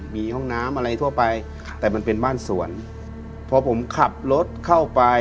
มีห้องน้ำอะไรทั่วไปค่ะแต่มันเป็นบ้านสวนพอผมขับรถเข้าไป